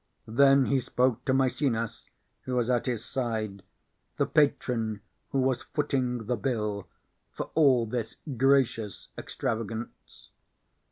Then he spoke to Maecenas, who was at his side, the patron who was footing the bill for all this gracious extravagance.